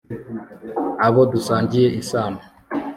abo dusangiye isano